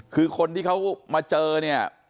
คือคนที่เขามาเจอเนี่ย